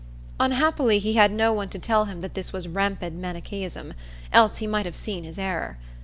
Unhappily he had no one to tell him that this was rampant Manichæism, else he might have seen his error.